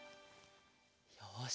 よし！